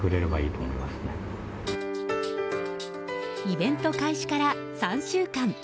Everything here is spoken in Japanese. イベント開始から３週間。